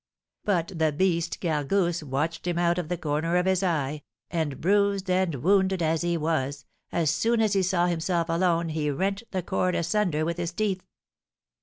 But the beast Gargousse watched him out of the corner of his eye, and, bruised and wounded as he was, as soon as he saw himself alone he rent the cord asunder with his teeth.